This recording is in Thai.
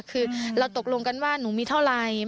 คือเราตกลงกันว่าหนูมีเท่าไร